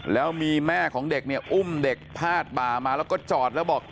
แล้วมีแม่ของเด็กเนี่ยอุ้มเด็กพาดบ่ามาแล้วก็จอดแล้วบอก